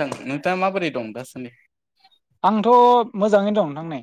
थां नोंथाङा माबोरै दं दासान्दि आंथ' मोजाङैनो दं नोंथांनि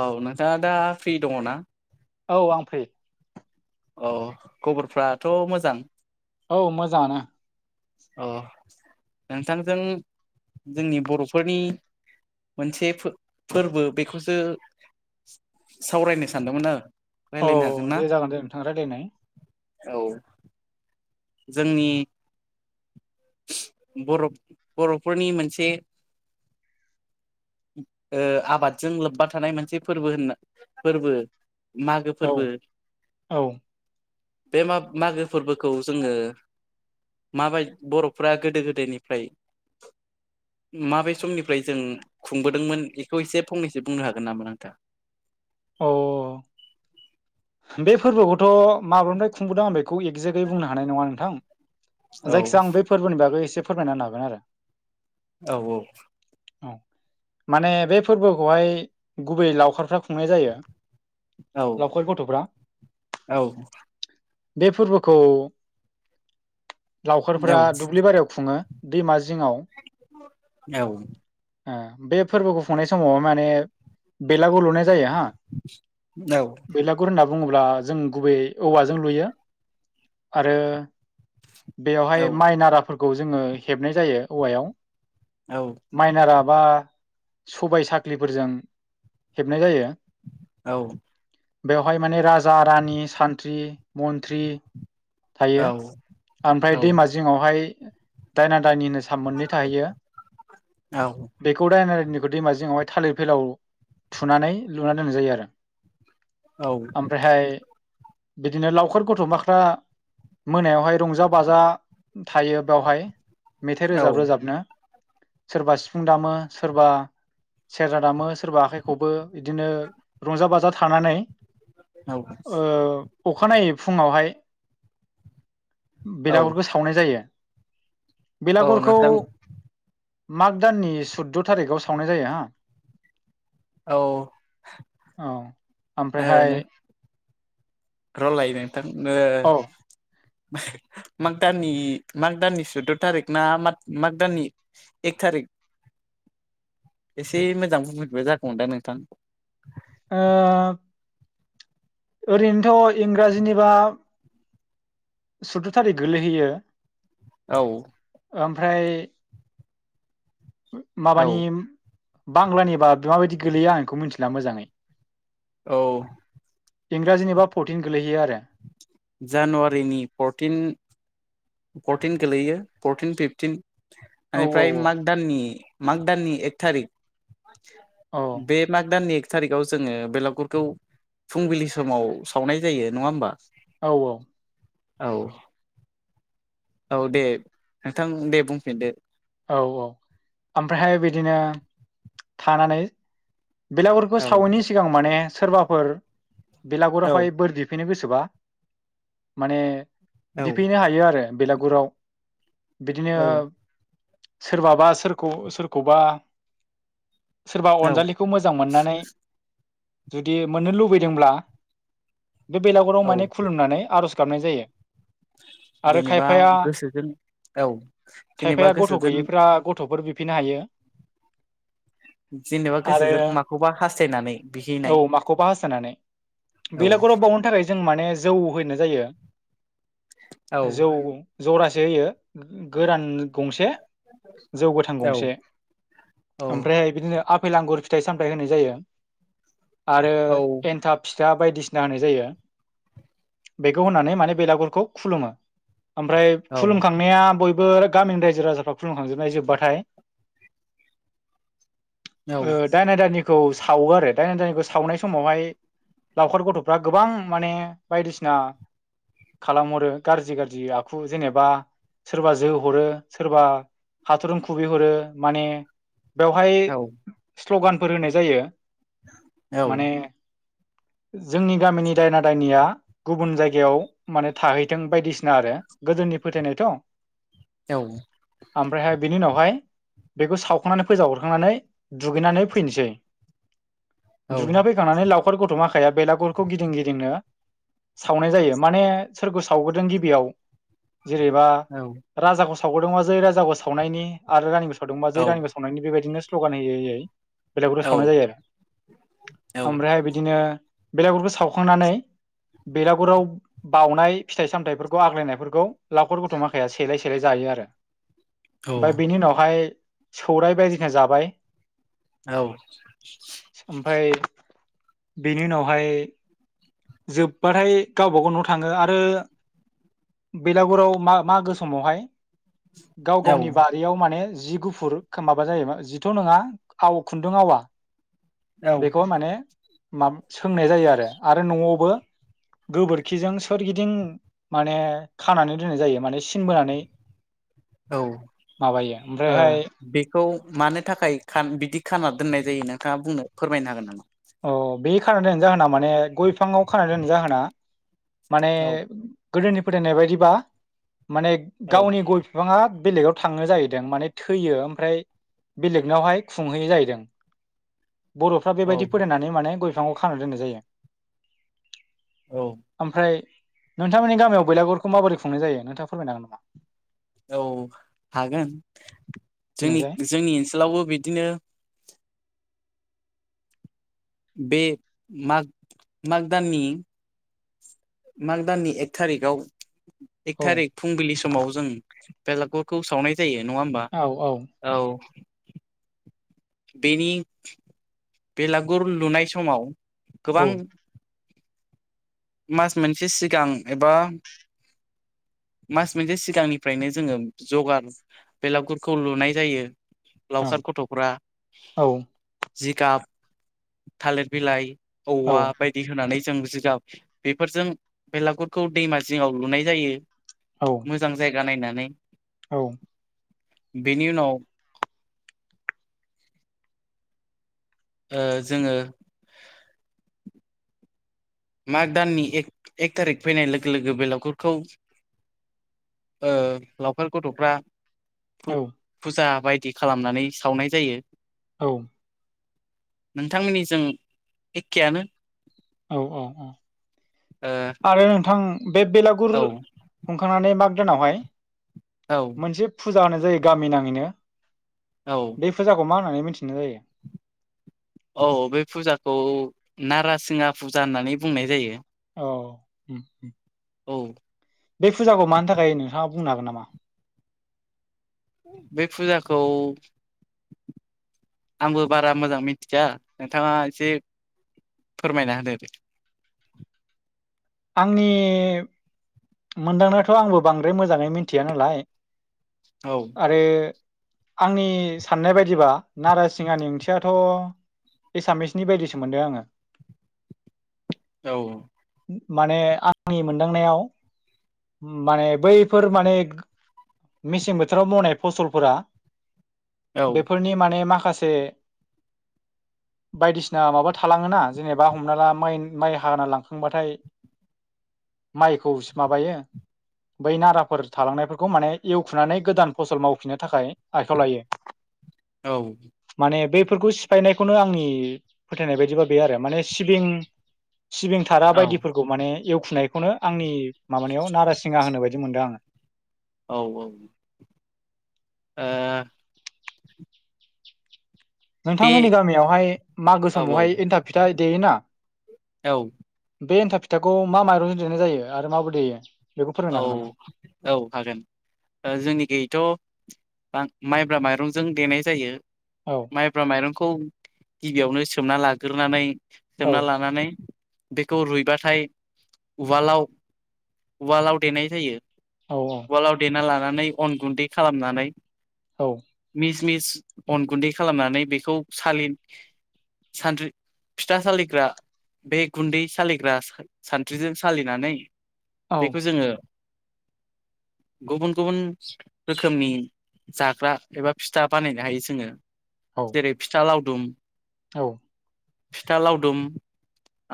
औ नोंथाङा दा फ्रि दङ ना औ आं फै औ खबरफ्राथ' मोजां औ मोजांानोा अ नोंथांजों जोंनि बर'फोरनि मोनसे फोरबो बेखौसो सावरायनो सानदोंमोन आरो औ रायलायनो हागोन ना? दे जागोन दे नोंथां रायज्लायनाय औ जोंनि बर' बर'फोरनि मोनसे आबादजों लोब्बा थानाय मोनसे फोरबो होनना फोरबो मागो औ फोरबो औ बे म मागो फोरबोखौ जोङो माबायदि बर' फुर्रा गोदो गोदायनिफ्राय माबे समनिफ्राय जों खुंबोदोंमोन बेखौ एसे फंनैसो बुंनो हागोन नामा आंथा औ बे फोरबोखौथ' माब्लानिफ्राय खुंबोदों आं बेखौ एगजेक्टै बुंनो हानाय नङा नोंथां औ जायखिजाया आं बे फोरबोनि बागै एसे फोरमायना हागोन आरो औ औ औ माने बे फोरबोखौहाय गुबै लावखारफ्रा खुंनाय जायो औ लावखार गथ' औ बे फोरबोखौ औ लावखारफोरा दुब्लि बारियाव खुङो दैमा जिङाव औ बे फोरबोखौ खुंनाय समाव माने बेलागुर लुनाय जायो हा औ बेलागुर होनना बुङोब्ला जों गुबै औवाजों लुयो आरो औ बेवहाय माइ नाराफोरखौ जोङो हेबनाय जायो औवायाव माइ नारा बा सबाय साख्रिफोरजों हेबनाय जायो औ बेवहाय माने राजा रानि सानथ्रि मन्थ्रि थायो ओमफ्राय दैमा जिङावहाय दायना दायनि होनो सान मोननै थाहैयो बेखौ दायना दायनि बे दैमा जिङावहाय थालिर फैलायाव थुनानै लुनानै दोननाय जायो आरो औ ओमफ्रायहाय बिदिनो लावखार गथ'माफ्रा मोनायावहाय रंजा बाजा थायो बेवहाय मेथाइ रोजाब रोजाबनो सोरबा सिफुं दामो सोरबा सेरजा दामो सोरबा आखाइखौबो बिदिनो रंजा बाजा थानानै ओ औ अखानायै फुङावहाय औ बेलागुरखौ सावनाय जायो औ बेलागुरखौ नोंथां माग दाननि सुद्द' थारिखाव सावनाय जायो हो औ औ ओमफ्रायहाय र'लाय नोंथांनो औ माग दाननि माग दाननि सुद्द थारिख ना मा माग दाननि एक थारिख एसे मोजां बुंफिनबा जागौमोन दां नोंथां ओ ओरैनोथ' इंराजिनिबा सुद्द थारिख गोलैहैयो औ ओमफ्राय औ माबानि बांलानि बारा माबायदि गोलैया आं बेखौ मिथिला मोजाङै औ इंराजिनिबा फरटिन गोलैहैयो आरो जानुवारिनि फरटिन फरटिन गोलैयो फरटिन फिफटिन औ बेनिफ्राय माग दाननि माग दाननि एक थारिख औ बे माग दाननि थारिखाव जोङो बेलागुरखौ फुंबिलि समाव सावनाय जायो नङा होमबा औ औ औ औ दे नोंथां दे बुंफिनदो औ औ ओमफ्रायहाय बिदिनो थानानै बेलागुरखौ औ सावैनि सिगां माने सोरबाफोर औ बेलागुरावहाय बोर बिफैनो गोसो बा माने औ बिफैनो हायो आरो बेलागुराव बिदिनो औ सोरबाबा सोरखौ सोरखौबा सोरबा औ अनजालिखौ मोजां मोननानै जुदि मोननो लुबैदोंब्ला बे बेलागुराव औ माने खुलुमनानै आर'ज गाबनाय जायो आरो जेनेबा खायफाया गोसोजों औ जेनेबा खायफाया गथ' गोसो गैयैफ्रा गथ'फोर बिफिननो हायो। जेनेबा आरो गोसोजों माखौबा हास्थायनानै औ बिहैनाय माखौबा हास्थायनानै औ बेलागुराव बाउनो थाखाय जों माने जौ होनाय जायो। औ जौ जरासो होयो गोरान गंसे जौ गोथां औ गंसे औ ओमफ्रायहाय बिदिनो आफेल आंगुर फिथाइ सामथाइ होनाय जायो आरो औ एनथाब फिथा फिथा बायदिसिना होनाय जायो बेखौ होनानै माने बेलागुरखौ खुलुमो। ओमफ्राय खुलुमखांनाया बयबो गामिनि रायजो राजा खुुमखांजोबनाय जोबबाथाय औ ओ दाइना दाइनि खौ सावो आरो दायना दायनिखौ सावनाय समावहाय लावखार गथ'फ्रा गोबां माने बायदिसिना खालामहरो गाज्रि गाज्रि आखु जेनेबा सोरबा जोहरो सोरबा हाथुरुम खुबैहरो माने बेवहाय औ स्ल'गानफोर होनाय जायो। माने जोंनि गामिनि दायना दायनिया गुबुन जायगायाव माने थाहैथों बायदिसिना आरो गोदोनि नि फोथायनायथ' औ। ओमफ्रायहाय बेनि उनावहाय बेखौ सावखांनानै फोजाव हरखांनानै दुगैनानै फैनोसै। औ दुगैना फैखांनानै लावखार गथ'माखाया बेलागुरखौ गिदिं गिदिंनो सावनाय जायो माने सोरखौ सावग्रोदों गिबियाव जेरैबा राजाखौ सावगदोंब जै राजाखौ सावनायनि आरो रानिखौसावदोंबा औ जै औ रानिखौसावनायनि बेबायदिनो स्ल'गान होयै होयै बेलागुरखौ औ सावनाय जायो आरो औ ओमफ्रायहाय बिदिनो बेलागुरखौ सावखांनानै बेलागुराव बावनाय फिथाइ सामथायाइफोरखौ आग्लायनायफोरखौ लाखर गथ' माखाया सेलाय सेलाय जायो। आरो ओमफ्राय बिनि उनावहाय सौराय बायदिना जाबाय। औ। ओमफ्राय बेनि उनावहाय। जोब्बाथाय गावबाागाव न' थाङो आरो। बेलागुराव मा मागो समावहाय गाव औ गावनि बारियाव माने जि गुफुर खोमाबा जायोबा जिथ' नङा आव खुन्दुं आवा औ बेखौ माने माब सोंनाय जायो आरो आरो न'आवबो गोबोरखिजों सोरगिदिं माने खानानै दोननाय जायो माने सिनबोनानै औ ओ ओमफ्रायहाय बेखौ मानो थाखाय बिदि खाना दोननाय जायो नोंथाङा बुंनो फोरमायनो हागोन नामा? अ बे खाना दोननाय जाहोना माने गय बिफाङाव खानानै दोननाय जाहोना माने औ गोदोनि फोथायनाय बायदिबा माने औ गावनि गय बिफांङा बेलेगाव थाङो जाहैदों माने थैयो ओमफ्राय बेलेखनावहाय खुंहैयो जाहैदों बर'फ्रा औ बेबायदि फोथायनानै माने गय बिफांखौ खानो दोननाय जायो। औ ओमफ्राय नोंथांमोननि गामियाव बैलागुरखौ माबोरै खुंनाय जायो नोंथाङा फोरमायनो हागोन नामा? औ हागोन होननायसाय जोंनि जोंनि ओनसोलावबो बिदिनो बे माग माग दाननि माग दाननि एक थारिखआव एक औ थारिक फुंबिलि समाव जों बेलागुरखौ सावनाय जायो नङा होमबा औ। बेनि बेलागुर लुनाय समाव औ गोबां मास मोनसे सिगां एबा मास मोनसे सिगांनिफ्रायनो जोङो जगार बेलागुरखौ लुनाय जायो औ लावखार गथ'फोरा औ जिगाब थालिर बिलाइ औ औवा बायदि होनानै जों जिगाब बेफोरजों बेलागुरखौ दैमा जिङाव लुनाय जायो औ मोजां जाय गा नायनानै औ बेनि उनाव [inaudible] ओ जोङो माग दाननि एक एक थारिख फैनाय लोगो लोगो बेलागुरखौ ओ लावखार गथ'फ्रा फुजा बायदि खालामनानै सावनाय जायो औ नोंथांमोननि जों एखेयानो औ औ औ आरो नोंथां बे बेलागुर ओ हुंखांनानै माग दानावहाय औ मोनसे फुजा होनाय जायो गामि नाङैनो औ बे फुजाखौ मा होननानै मिथि नाय जायो औ बे फुजाखौ नारासिंगा फुजा होननानै बुंनाय जायो औ औ [inaudible] बे फुजाखौ मानि थाखाय नोंथाङा बुंनो हागोन नामा? बे फुजाखौ आंबो बारा मोजां मिथिया नोंथाङा एसे फोरमायना होदो आंनि मोनदांनायाथ आंबो बांद्राय मोजाङै मिथिया नालाय औ [inaudible] आरो आंनि साननाय बायदिबा नारासिंहानि ओंथियाथ' एसामिसनि बायदिसो मोनदों आङो औ माने आंनि मोनदांनायाव माने बैफोर माने मेसें बोथोराव मावनाय फसलफोरा औ बेफोरनि माने माखासे ए बायदिसिना माबा थालाङोना जेनेबा हमना ला माइ माइ हाना लांखांबाथाय माइखौ माबायो बै नाराफोर थालांनायफोरखौ माने एवखुनानै गोदान फसल मावफिननो थाखाय आखायाव लायो औ फोरखौ सिफायनायखौनो आंनि फोथायनाय बायदिबा बे आरो माने सिबिं सिबिं थारा औ बायदि माने एवखुनायखौनो आंनि माबानायाव नारासिंहा होनो बायदि मोनदों आङो औ औ ओ बे नोंथांमोननि गामियावहाय मागो औ औ समावहाय एन्थाब फिथा देयोना औ बे एन्थाब फिथाखौ मा माइरंजों देनाय जायो आरो माब्रै देयो बेखौ फोरमायनो औ हागोन नामा औ हागोन जोंनि गैयैथ माइब्रा माइरंजों देनाय जायो औ माइब्रा माइरं खौ गिबियावनो सोमना लाग्रोनानै औ सोमना लानानै बेखौ रुइबाथाय उवालाव उवालाव देनाय जायो औ उवालाव देना लानानै अन गुन्दै खालामनानै औ मिस मिस अन गुन्दै खालामनानै बेखौ सालि सानद्रि फिथा सालिग्रा बे गुन्दै सालिग्रा सानथ्रिजों सालिनानै बेखौ जोङो [inaudible] गुबुन गुबुन रोखोमनि जाग्रा एबा फिथा बानायनो हायो जोङो औ जेरै फिथा लावदुम औ फिथा लावदुम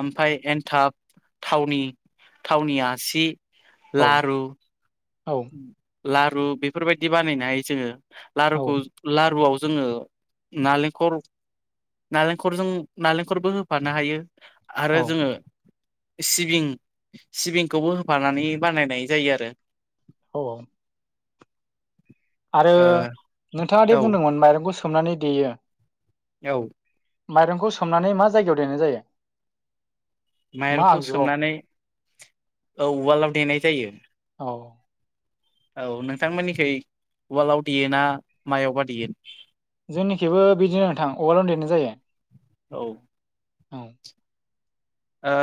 ओमफ्राय एन्थाब थावनि थावनिया सि लारु औ लारु बेफोरबायदि बानायनो हायो जोङो लारुखौ लारुआव जोङो नालेंखर नालेंखरजों नालेंखरबो होफानो हायो आरो औ जोङो सिबिं सिबिंखौबो होफानानै बानायनाय जायो आरो औ आरो नोंथाङा दे ओ औ बुंदोंमोन माइरंखौ सोमनानै देयो औ माइरंखौ सोमनानै मा जायगायाव देनाय जायो मा माइरंखौ आगजुआव सोमनानै उवालाव देनाय जायो औ औ नोंथांमोननिखै उवालाव देयो ना मायावबा देयो जोंनिखेबो बिदिनो नोंथां अवालनो देरनाय जायो औ औ आ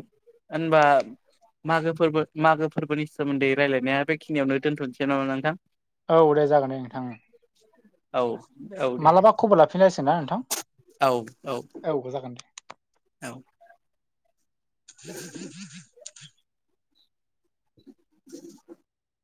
होनबा मागो फोरबो मागो फोरबोनि सोमोन्दै रायजलायनाया बेखिनियावनो दोनथ'नोसै नामा नोंथां औ दे जागोन दे नोंथां औ औ दे मालाबा खबर लाफिननायसिग ना नोंथां औ जागोन दे औ [unintelligible] [inaudible]